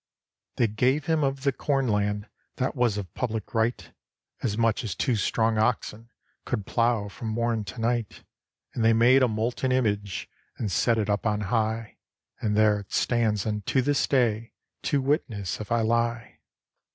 287 ROME They gave him of the corn land, That was of pubHc right, As much as two strong oxen Could plough from mom till night; And they made a molten image, And set it up on high, And there it stands unto this day To witness if I lie.